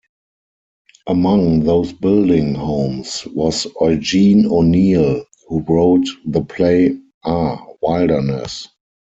Among those building homes was Eugene O'Neill, who wrote the play Ah, Wilderness!